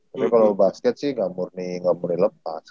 tapi kalo basket sih ga murni lepas